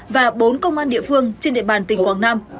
và bốn công an địa phương trên địa bàn tỉnh quảng nam